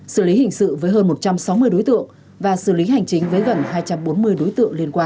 xử lý hình sự với hơn một trăm sáu mươi đối tượng và xử lý hành chính với gần hai trăm bốn mươi đối tượng liên quan